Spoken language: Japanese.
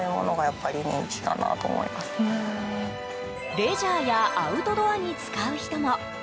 レジャーやアウトドアに使う人も。